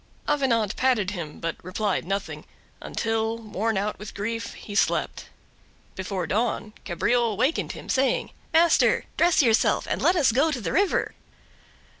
Avenant patted him, but replied nothing; until, worn out with grief, he slept. Before dawn Cabriole wakened him, saying: "Master, dress yourself and let us go to the river."